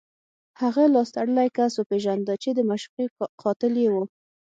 هغه لاس تړلی کس وپېژنده چې د معشوقې قاتل یې و